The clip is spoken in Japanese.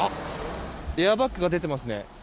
エアバッグが出ていますね。